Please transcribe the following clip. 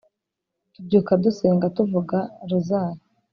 Tubyuka dusenga ,tuvuga rozari